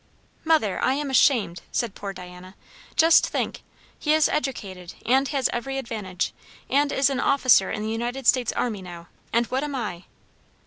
"Mother, I am ashamed!" said poor Diana. "Just think. He is educated, and has every advantage, and is an officer in the United States army now; and what am I?"